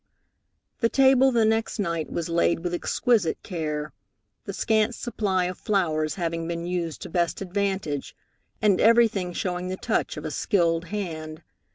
The table the next night was laid with exquisite care, the scant supply of flowers having been used to best advantage, and everything showing the touch of a skilled hand.